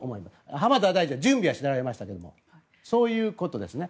浜田大臣は準備はしておられましたがそういうことですね。